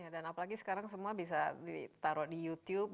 dan apalagi sekarang semua bisa ditaruh di youtube